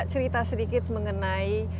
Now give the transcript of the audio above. cerita sedikit mengenai